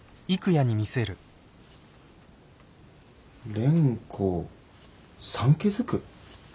「蓮子産気づく」？